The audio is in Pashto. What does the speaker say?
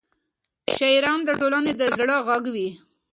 شاعران د ټولنې د زړه غږ وي.